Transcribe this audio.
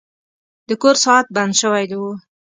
د کور ساعت بند شوی و.